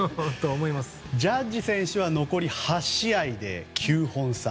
ジャッジ選手は残り８試合で９本差。